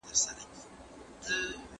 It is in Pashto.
متن بايد په پوره سنجيدګۍ سره ولوستل سي.